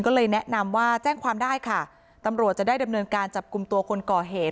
ก็เลยแนะนำว่าแจ้งความได้ค่ะตำรวจจะได้ดำเนินการจับกลุ่มตัวคนก่อเหตุ